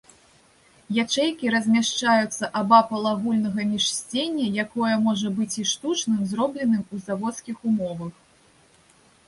Ячэйкі размяшчаюцца абапал агульнага міжсцення, якое можа быць і штучным, зробленым у заводскіх умовах.